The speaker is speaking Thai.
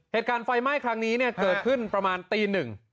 เหตุการณ์ไฟไหม้ครั้งนี้เนี่ยเกิดขึ้นประมาณตีหนึ่ง